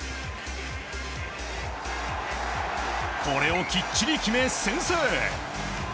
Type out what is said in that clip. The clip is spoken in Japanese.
これをきっちり決め、先制！